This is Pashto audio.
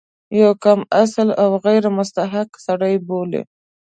یو کم اصل او غیر مستحق سړی بولي.